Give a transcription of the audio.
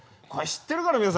これ知ってるかな？